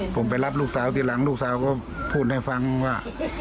ผมไปรับลูกสาวทีหลังลูกสาวก็พูดให้ฟังว่า